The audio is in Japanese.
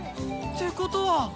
ってことは。